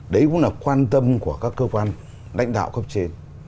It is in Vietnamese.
đấy cũng là quan tâm của các cơ quan lãnh đạo cấp trên